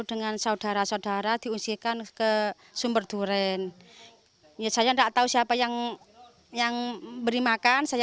dengan saudara saudara diusirkan ke sumberduren saya enggak tahu siapa yang yang beri makan saya